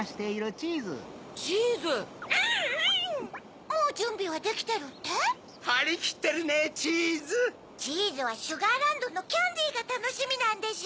チーズはシュガーランドのキャンディーがたのしみなんでしょ。